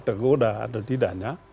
tergoda atau tidaknya